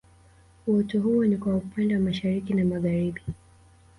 Uoto huo ni kwa upande wa Mashariki na Magharibi